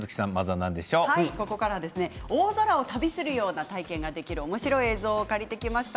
ここからは、大空を旅するような体験ができるおもしろい映像を借りてきました。